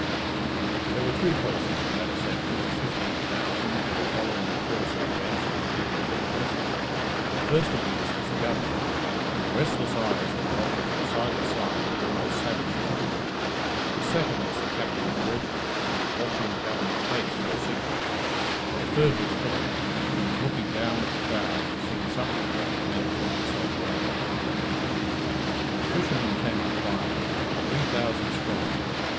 There were three persons in that assembly of fifteen thousand who were following the course of events with feverish interest. The first of these was the Governor, whose restless eyes were rolling from side to side with almost savage light; the second was the captain of the regiment, who was watching the Governor's face for a signal; the third was Philip, who was looking down at the crowd and seeing something that had meaning for himself alone. The fishermen came up quietly, three thousand strong.